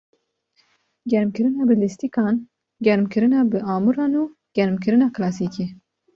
Germkirina bi lîstikan, germkirina bi amûran û germkirina kilasîkî.